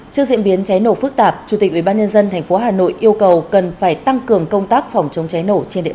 trước diễn biến cháy nổ phức tạp chủ tịch ubnd tp hà nội yêu cầu cần phải tăng cường công tác phòng chống cháy nổ trên địa